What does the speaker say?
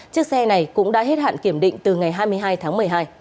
chiếc xe này cũng đã hết hạn kiểm định từ ngày hai mươi hai tháng một mươi hai